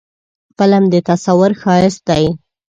فلم د تصور ښایست دی